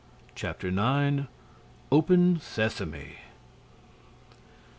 CHAPTER NINE OPEN, SESAME!